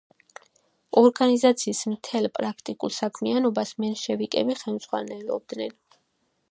ორგანიზაციის მთელ პრაქტიკულ საქმიანობას მენშევიკები ხელმძღვანელობდნენ.